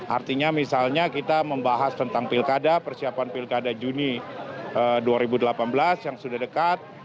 artinya misalnya kita membahas tentang pilkada persiapan pilkada juni dua ribu delapan belas yang sudah dekat